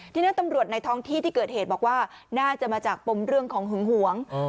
ทีนี้ตำรวจในท้องที่ที่เกิดเหตุบอกว่าน่าจะมาจากปมเรื่องของหึงหวง